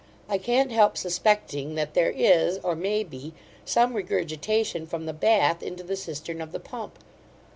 I can't help suspecting, that there is, or may be, some regurgitation from the bath into the cistern of the pump.